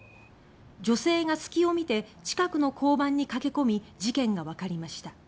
女性が隙をみて近くの交番に駆け込み事件がわかりました。